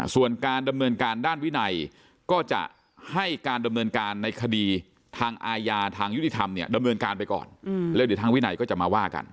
ส่วนการดำเนินการด้านวินัยก็จะให้การดำเนินการในคดีทางอาญาทางยุติธรรมเนี่ยดำเนินการไปก่อนแล้วเดี๋ยวทางวินัยก็จะมาว่ากัน